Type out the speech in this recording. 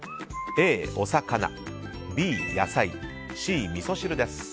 Ａ、お魚Ｂ、野菜Ｃ、みそ汁。